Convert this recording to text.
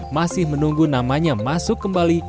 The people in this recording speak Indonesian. masih menunggu namanya masuk kembali